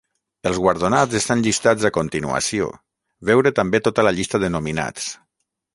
Els guardonats estan llistats a continuació, veure també tota la llista de nominats.